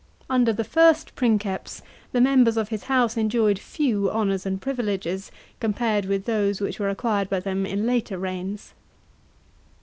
* Under the first Princeps the members of his house enjoyed few honours and privileges, compared with those which were acquired by them in later reigns.